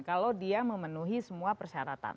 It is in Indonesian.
kalau dia memenuhi semua persyaratan